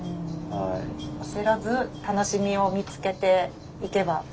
あせらず楽しみを見つけていけば。